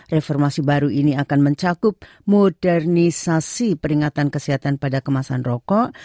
reformasi baru ini akan mencakup modernisasi peringatan kesehatan pada kemasan rokok